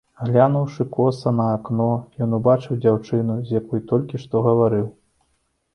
Глянуўшы коса на акно, ён убачыў дзяўчыну, з якой толькі што гаварыў.